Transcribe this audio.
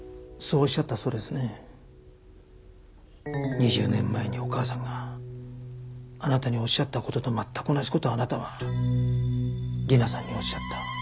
２０年前にお母さんがあなたにおっしゃった事と全く同じ事をあなたは理奈さんにおっしゃった。